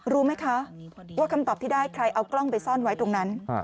รู้ไหมคะว่าคำตอบที่ได้ใครเอากล้องไปซ่อนไว้ตรงนั้น